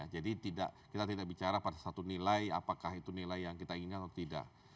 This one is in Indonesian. jadi kita tidak bicara pada satu nilai apakah itu nilai yang kita inginkan atau tidak